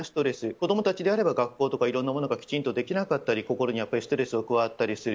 子供たちであれば学校とかいろんなものがきちんとできなかったり心にストレスが加わったりする。